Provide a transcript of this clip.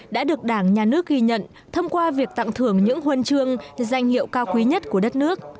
đã được đảng nhà nước ghi nhận thông qua việc tặng thưởng những huân chương danh hiệu cao quý nhất của đất nước